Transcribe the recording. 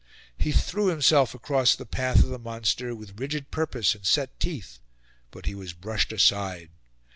He threw himself across the path of the monster with rigid purpose and set teeth, but he was brushed aside.